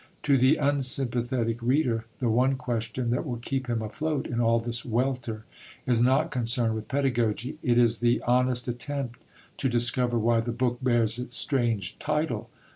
To the unsympathetic reader, the one question that will keep him afloat in all this welter, is not concerned with pedagogy; it is the honest attempt to discover why the book bears its strange title.